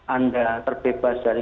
anda terbebas dari